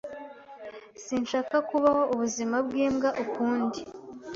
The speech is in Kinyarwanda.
Sinshaka kubaho ubuzima bwimbwa ukundi.